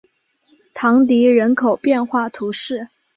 唐迪人口变化图示